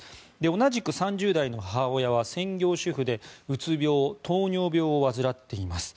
同じく３０代の母親は専業主婦でうつ病、糖尿病を患っています。